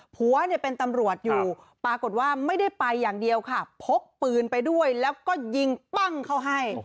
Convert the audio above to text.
ผัวเนี่ยเป็นตำรวจอยู่ปรากฏว่าไม่ได้ไปอย่างเดียวค่ะพกปืนไปด้วยแล้วก็ยิงปั้งเขาให้